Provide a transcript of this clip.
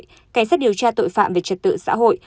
cảnh sát điều tra tội phạm về trật tự xã hội